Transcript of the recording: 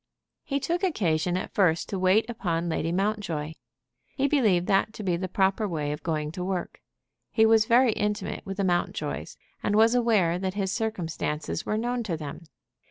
He took occasion at first to wait upon Lady Mountjoy. He believed that to be the proper way of going to work. He was very intimate with the Mountjoys, and was aware that his circumstances were known to them.